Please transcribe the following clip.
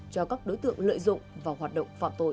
cho các đối tượng lợi dụng vào hoạt động phạm tội